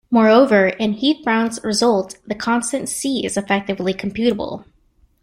Moreover, in Heath-Brown's result the constant "c" is effectively computable.